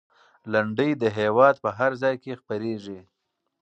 لنډۍ د هېواد په هر ځای کې خپرېږي.